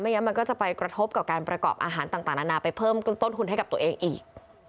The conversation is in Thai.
งั้นมันก็จะไปกระทบกับการประกอบอาหารต่างนานาไปเพิ่มต้นทุนให้กับตัวเองอีก